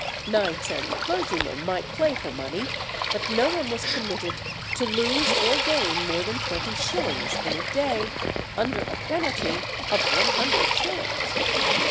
Knights and clergymen might play for money, but no one was permitted to lose or gain more than twenty shillings in a day, under a penalty of one hundred shillings.